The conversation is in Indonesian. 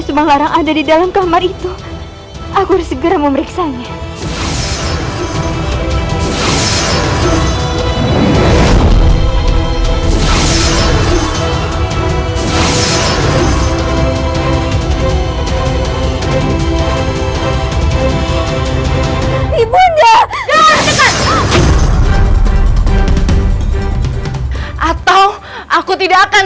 sampai jumpa di video selanjutnya